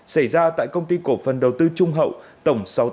xảy ra tại công ty cổ phần đầu tư trung hậu tổng sáu mươi tám